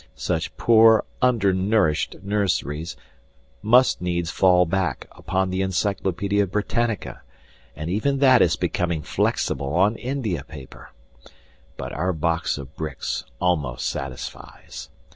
Such poor under nourished nurseries must needs fall back upon the Encyclopedia Britannica, and even that is becoming flexible on India paper! But our box of bricks almost satisfies.